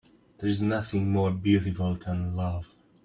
There's nothing more beautiful than love.